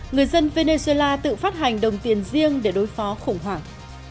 người dân venezuela tự phát hành đồng tiền riêng để đối phó khủng hoảng